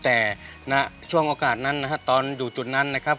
แต่ณช่วงโอกาสนั้นนะครับตอนอยู่จุดนั้นนะครับ